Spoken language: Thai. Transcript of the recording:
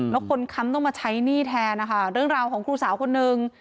แล้วคนค้ำต้องมาใช้หนี้แทนนะคะเรื่องราวของครูสาวคนนึง